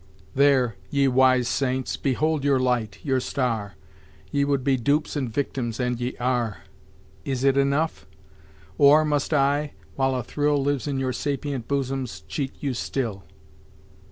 "There, ye wise saints, behold your light, your star, Ye would be dupes and victims and ye are. Is it enough? or, must I, while a thrill Lives in your sapient bosoms, cheat you still?"